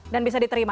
dan bisa diterima